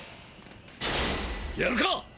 やるか！